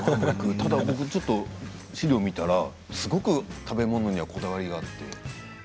僕、資料を見たらすごく食べ物にはこだわりがあって。